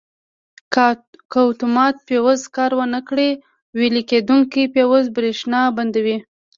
که اتومات فیوز کار ور نه کړي ویلې کېدونکی فیوز برېښنا بندوي.